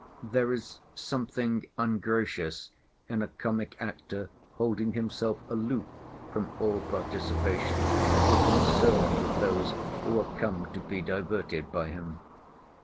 There is something ungracious in a comic actor holding himself aloof from all participation or concern with those who are come to be diverted by him.